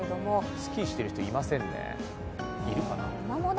スキーしている人いませんね、いるかな？